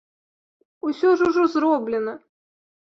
Усё ж ужо зроблена.